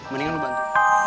mendingan lu bantu